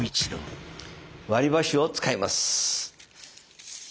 割りばしを使います。